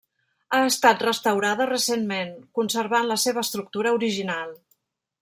Ha estat restaurada recentment, conservant la seva estructura original.